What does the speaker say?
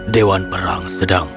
dewan perang sedang